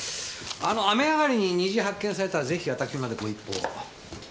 あの雨上がりに虹発見されたらぜひ私までご一報を。